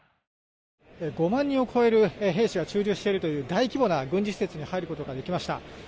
５万人を超える兵士が駐留しているという大規模な軍事施設に入ることができました。